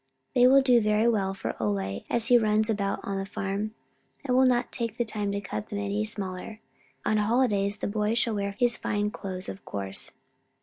They will do very well for Ole as he runs about on the farm. I will not take time to cut them any smaller. On holidays the boy shall wear his fine clothes, of course."